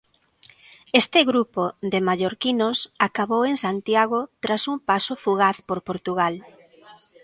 Este grupo de mallorquinos acabou en Santiago tras un paso fugaz por Portugal.